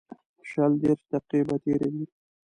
شل دېرش دقیقې به تېرې وې.